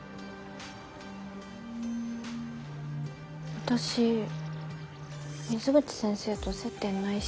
私水口先生と接点ないし。